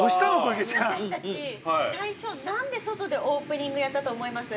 私たち、最初、なんで外でオープニングやったと思います？